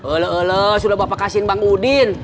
olololoh sudah bapak kasihin bang udin